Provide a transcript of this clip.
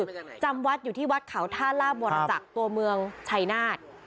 คือจำวัดอยู่ที่วัดเขาท่าลาบวรจักรตัวเมืองชัยนาธ